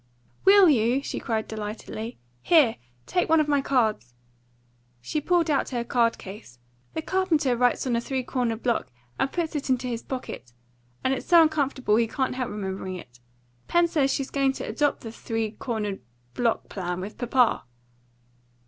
"Will you?" she cried delightedly. "Here! take one of my cards," and she pulled out her card case. "The carpenter writes on a three cornered block and puts it into his pocket, and it's so uncomfortable he can't help remembering it. Pen says she's going to adopt the three cornered block plan with papa."